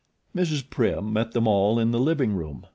Mrs. Prim met them all in the living room.